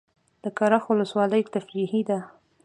د کرخ ولسوالۍ تفریحي ده